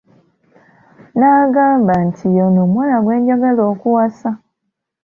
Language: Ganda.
N'agamba nti y'ono omuwala gwe njagala okuwasa.